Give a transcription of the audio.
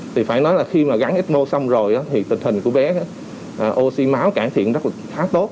thì phải nói là khi mà gắn ít mô xong rồi thì tình hình của bé oxy máu cải thiện rất là khá tốt